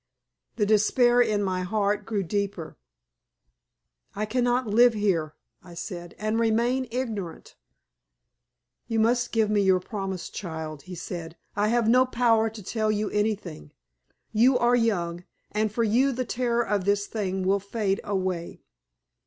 The despair in my heart grew deeper. "I cannot live here," I said, "and remain ignorant." "You must give me your promise, child," he said. "I have no power to tell you anything. You are young, and for you the terror of this thing will fade away."